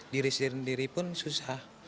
diri sendiri pun susah